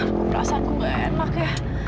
perasaan ku gak enak ya